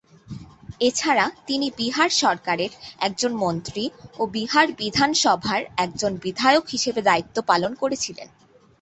এছাড়া, তিনি বিহার সরকারের একজন মন্ত্রী ও বিহার বিধানসভার একজন বিধায়ক হিসেবে দায়িত্ব পালন করেছিলেন।